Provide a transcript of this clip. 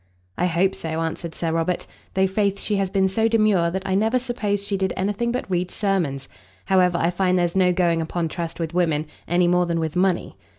"I hope so," answered Sir Robert; "though faith she has been so demure, that I never supposed she did any thing but read sermons. However, I find there's no going upon trust with women, any more than with money."